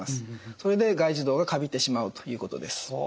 それで外耳道がカビてしまうということです。